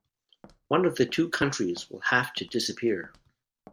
One of the two countries will have to disappear.